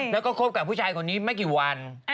แล้วก็คบกับผู้ชายคนนี้ไม่กี่วัน